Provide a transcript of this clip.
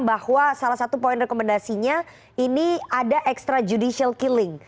bahwa salah satu poin rekomendasinya ini ada extrajudicial killing